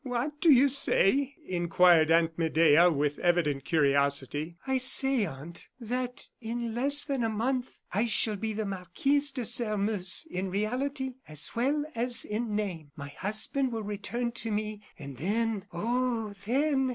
"What do you say?" inquired Aunt Medea, with evident curiosity. "I say, aunt, that in less than a month I shall be Marquise de Sairmeuse in reality as well as in name. My husband will return to me, and then oh, then!"